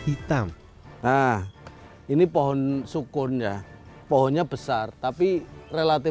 hitam nah ini pohon sukunnya pohonnya besar tapi relatif